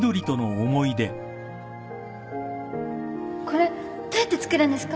これどうやって作るんですか？